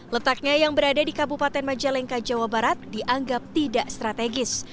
letaknya yang berada di kabupaten majalengka jawa barat dianggap tidak strategis